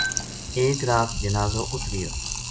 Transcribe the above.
ایک رات جنازو اُت رہیو